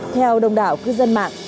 theo đồng đảo cư sinh